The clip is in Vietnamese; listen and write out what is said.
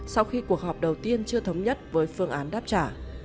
sau khi cuộc họp đầu tiên chưa thống nhất với phương án đáp trả